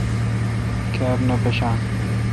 کاب نہ پشان۔